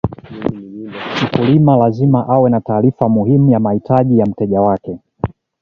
Mkulima lazima awe na taarifa muhimu ya mahitaji ya mteja wake